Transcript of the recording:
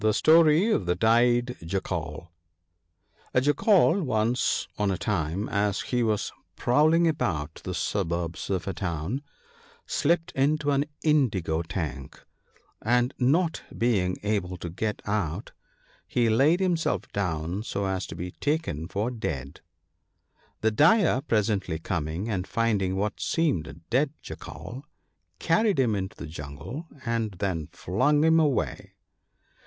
(gTJje £torp of tfje ^pcb 3lat6aL JACKAL once on a time, as he was prowling about the suburbs of a town, slipped into an indigo tank ; and not being able to get out he laid himself down so as to be taken for dead. The dyer presently coming, and rinding what seemed a dead Jackal, carried him into the jungle and then flung him away.